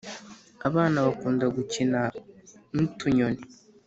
abana bakunda gukina nutunyoni